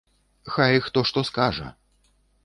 Хай хто што скажа.